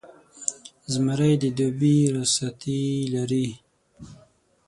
زمری د دوبي رخصتۍ لري.